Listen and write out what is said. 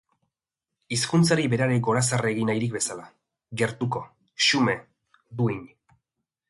Hizkuntzari berari gorazarre egin nahirik bezala, gertuko, xume, duin.